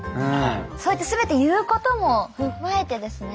そうやって全て言うことも含めてですね。